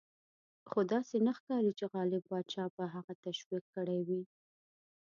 خو داسې نه ښکاري چې غالب پاشا به هغه تشویق کړی وي.